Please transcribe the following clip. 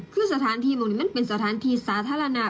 คือสะทานที่มองที่เป็นสะทานที่สาธารณะ